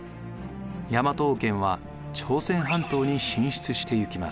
大和王権は朝鮮半島に進出していきます。